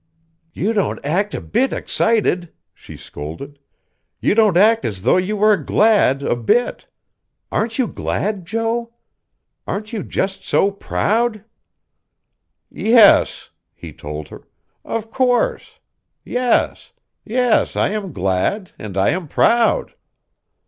"You don't act a bit excited," she scolded. "You don't act as though you were glad, a bit. Aren't you glad, Joe? Aren't you just so proud?..." "Yes," he told her. "Of course. Yes. Yes, I am glad, and I am proud."